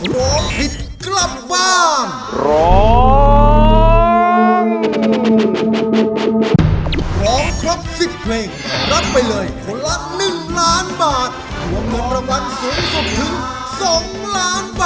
ร้องได้ให้ร้าน